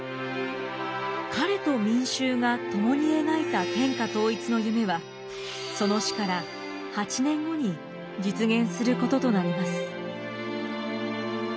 彼と民衆が共に描いた天下統一の夢はその死から８年後に実現することとなります。